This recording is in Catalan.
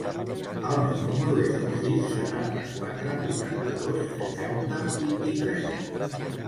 El meu número es el sis, setanta-quatre, vuitanta-dos, seixanta, vint-i-tres.